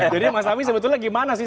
jadi mas awi sebetulnya gimana sih